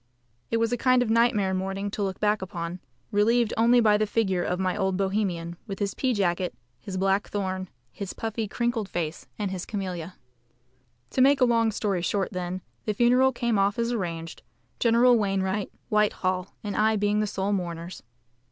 It was a kind of nightmare morning to look back upon, relieved only by the figure of my old Bohemian, with his pea jacket, his black thorn, his puffy, crinkly face, and his camelia. To make a long story short, then, the funeral came off as arranged, General Wainwright, Whitehall, and I being the sole mourners.